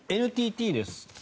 ＮＴＴです。